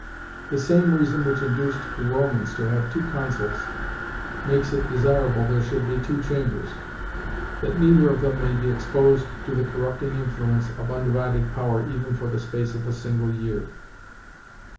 The same reason which induced the Romans to have two consuls makes it desirable there should be two Chambers that neither of them may be exposed to the corrupting influence of undivided power even for the space of a single year.